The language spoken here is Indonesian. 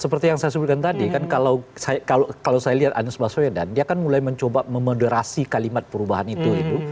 seperti yang saya sebutkan tadi kan kalau saya lihat anies baswedan dia kan mulai mencoba memoderasi kalimat perubahan itu